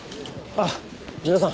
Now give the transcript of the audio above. あっ皆さん